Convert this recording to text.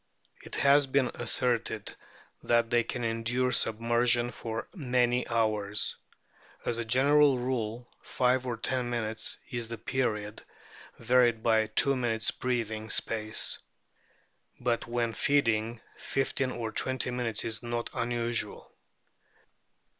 It has been asserted that they can endure submersion for "many hours "; as a general rule five or ten minutes is the period, varied by two minutes' breathing space. But when feeding, fifteen or twenty minutes is not unusual.